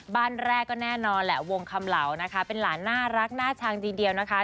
บ้านแรกก็แน่นอนแหละวงคำเหล่านะคะเป็นหลานน่ารักน่าชังทีเดียวนะคะ